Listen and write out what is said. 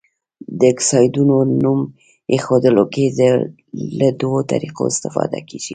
د اکسایډونو نوم ایښودلو کې له دوه طریقو استفاده کیږي.